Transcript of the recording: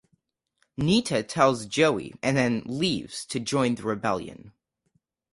Nita tells Joey and then leaves to join the rebellion.